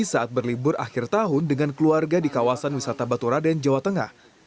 saat berlibur akhir tahun dengan keluarga di kawasan wisata baturaden jawa tengah